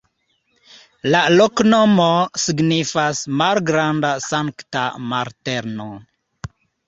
La loknomo signifas: malgranda-Sankta Marteno.